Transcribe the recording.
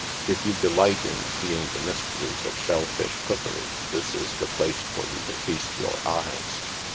If you delight in seeing the mysteries of shell fish cookery, this is the place for you to feast your eyes.